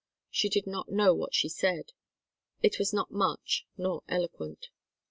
She did not know what she said. It was not much, nor eloquent.